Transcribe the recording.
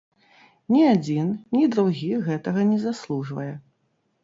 Ні адзін, ні другі гэтага не заслужвае.